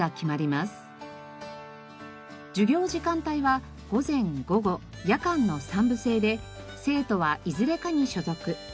授業時間帯は午前午後夜間の３部制で生徒はいずれかに所属。